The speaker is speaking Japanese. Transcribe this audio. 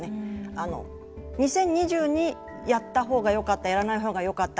２０２０にやったほうがよかったやらないほうがよかった。